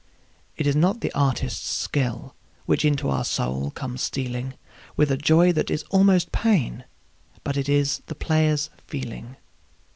It is not the artist's skill which into our soul comes stealing With a joy that is almost pain, but it is the player's feeling.